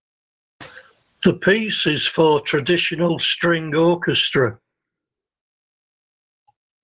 The piece is for traditional string orchestra.